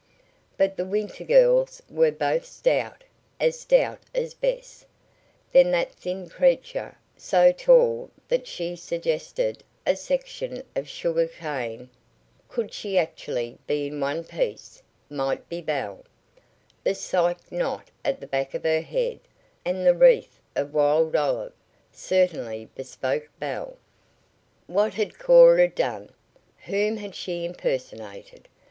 But the Winter girls were both stout as stout as Bess. Then that thin creature, so tall that she suggested a section of sugar cane (could she actually be in one piece), might be Belle. The Psyche knot at the back of her head, and the wreath of wild olive, certainly bespoke Belle. What had Cora done? Whom had she impersonated?